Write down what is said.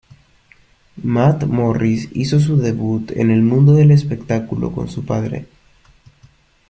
Matt Morris hizo su debut en el mundo del espectáculo con su padre.